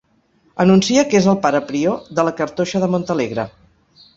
Anuncia que és el pare prior de la Cartoixa de Montalegre.